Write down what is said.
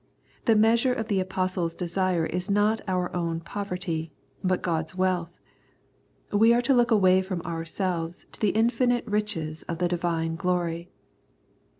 The measure of the Apostle's desire is not our own poverty, but God's , wealth ; we are to look away from ourselves I to the infinite riches of the Divine glory.